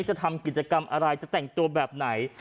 จะทำกิจกรรมอะไรจะแต่งตัวแบบไหน